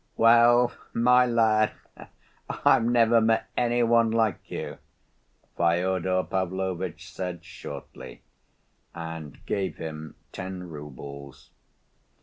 "Well, my lad, I've never met any one like you," Fyodor Pavlovitch said shortly, and gave him ten roubles.